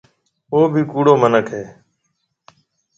او ڀِي ڪُوڙو مِنک هيَ۔